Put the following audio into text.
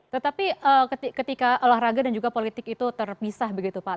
tetapi ketika olahraga dan juga politik itu terpisah begitu pak